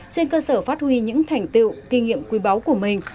trên cơ sở phát huy những thành tựu kinh nghiệm quý báu của mình